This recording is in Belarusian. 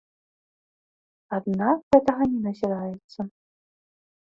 Аднак гэтага не назіраецца.